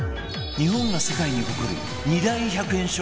日本が世界に誇る２大１００円ショップ